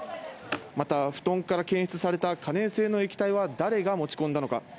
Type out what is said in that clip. また布団から検出された可燃性の液体は誰が持ち込んだのか。